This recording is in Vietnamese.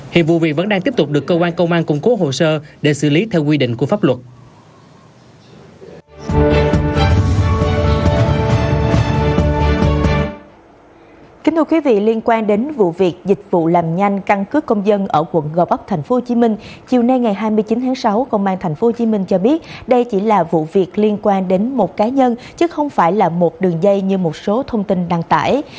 hiện vụ việc vẫn đang tiếp tục được cơ quan công an cung cố hồ sơ để xử lý theo quy định của pháp luật